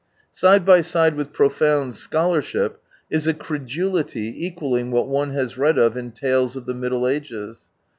Side by side with profound scholarship is a credulity equalling what one has read of in tales of the Middle Ages.